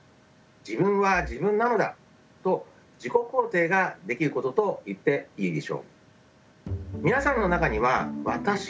「自分は自分なのだ」と自己肯定ができることと言っていいでしょう。